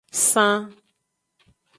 San.